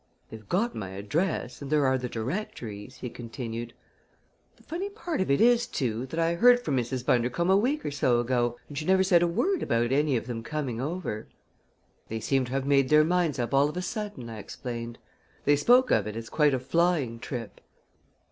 "They've got my address and there are the directories," he continued. "The funny part of it is, too, that I heard from Mrs. Bundercombe a week or so ago, and she never said a word about any of them coming over." "They seem to have made their minds up all of a sudden," I explained. "They spoke of it as quite a flying trip."